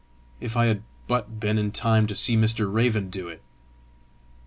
If I had but been in time to see Mr. Raven do it!